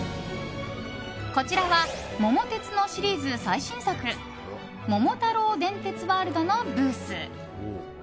こちらは「桃鉄」のシリーズ最新作「桃太郎電鉄ワールド」のブース。